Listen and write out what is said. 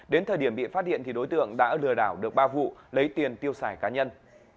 đến thời điểm bị phát hiện thì đối tượng đã lừa đảo được ba vụ lấy tiền tiêu xài cá nhân